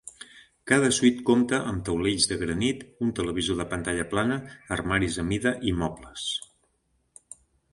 Cada suite compta amb taulells de granit, un televisor de pantalla plana, armaris a mida i mobles.